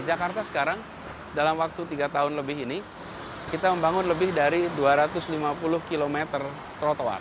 jakarta sekarang dalam waktu tiga tahun lebih ini kita membangun lebih dari dua ratus lima puluh km trotoar